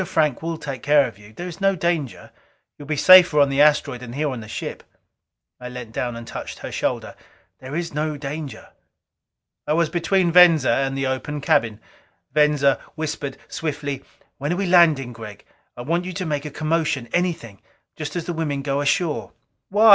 Frank will take care of you. There is no danger; you will be safer on the asteroid than here on the ship." I leaned down and touched her shoulder. "There is no danger." I was between Venza and the open cabin. Venza whispered swiftly, "When we are landing, Gregg, I want you to make a commotion anything just as the women go ashore." "Why?